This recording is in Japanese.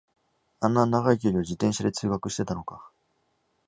あんな長い距離を自転車で通学してたのか